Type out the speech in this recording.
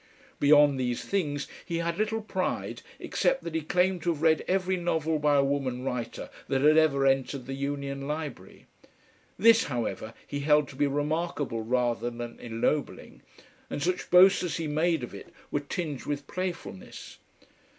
Beyond these things he had little pride except that he claimed to have read every novel by a woman writer that had ever entered the Union Library. This, however, he held to be remarkable rather than ennobling, and such boasts as he made of it were tinged with playfulness.